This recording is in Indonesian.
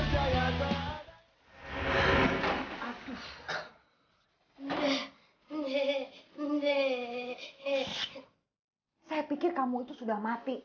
saya pikir kamu itu sudah mati